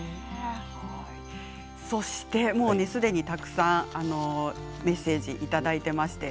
すでにたくさんメッセージいただいています。